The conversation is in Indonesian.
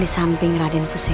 di samping radin fusena